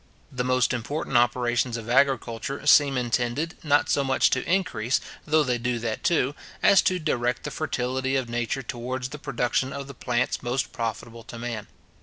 The most important operations of agriculture seem intended, not so much to increase, though they do that too, as to direct the fertility of Nature towards the production of the plants most profitable to man.